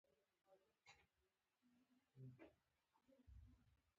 سپېڅلې کړۍ د بېلابېلو میکانیزمونو پر مټ عمل کوي.